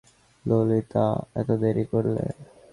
ললিতা রুদ্ধকণ্ঠে কহিল, কেন তুমি এত দেরি করলে?